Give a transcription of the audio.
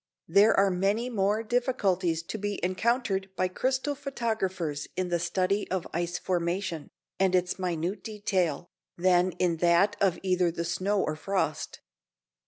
There are many more difficulties to be encountered by crystal photographers in the study of ice formation, and its minute detail, than in that of either the snow or frost.